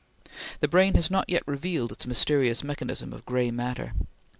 The brain has not yet revealed its mysterious mechanism of gray matter.